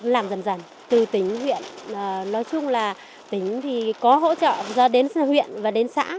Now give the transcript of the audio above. làm dần dần từ tỉnh huyện nói chung là tỉnh thì có hỗ trợ ra đến huyện và đến xã